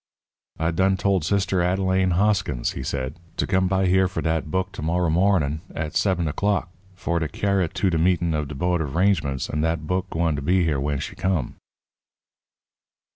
"I done told Sister Adaline Hoskins," he said, "to come by here for dat book to morrer mawnin' at sebin o'clock, for to kyar' it to de meetin' of de bo'd of 'rangements, and dat book gwine to be here when she come."